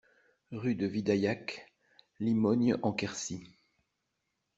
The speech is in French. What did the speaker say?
Rue de Vidaillac, Limogne-en-Quercy